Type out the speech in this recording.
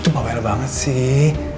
itu bawel banget sih